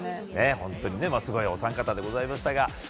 本当にすごいお三方でございましたが。